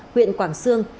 huyện quảng sương